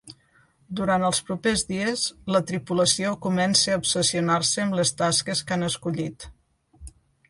Durant els propers dies la tripulació comença a obsessionar-se amb les tasques que han escollit.